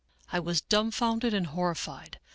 '" I was dumfounded and horrified.